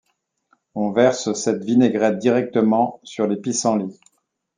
On verse cette vinaigrette directement sur les pissenlits.